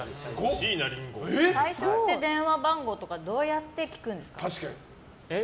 最初は電話番号とかはどうやって聞くんですか？